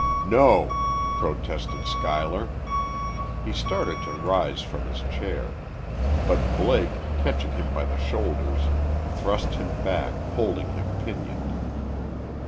"No!" protested Schuyler. He started to rise from his chair. But Blake, catching him by the shoulders, thrust him back, holding him pinioned.